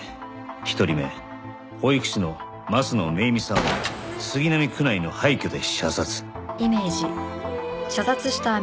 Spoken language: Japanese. １人目保育士の松野芽衣実さんを杉並区内の廃虚で射殺。